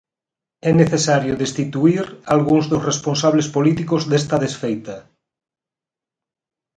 É necesario destituír algúns dos responsables políticos desta desfeita.